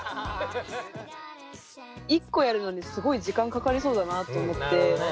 １個やるのにすごい時間かかりそうだなと思って。